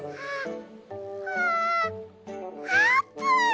あああーぷん！